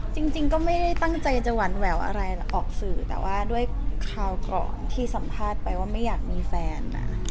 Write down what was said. จริงก็ไม่ได้ตั้งใจจะหวั่นแหววอะไรออกสื่อแต่ว่าด้วยคราวก่อนที่สัมภาษณ์ไปว่าไม่อยากมีแฟนนะ